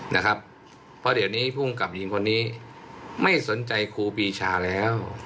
นะครับเพราะเดี๋ยวนี้ภูมิกับหญิงคนนี้ไม่สนใจครูปีชาแล้ว